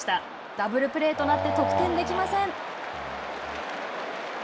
ダブルプレーとなって得点できません。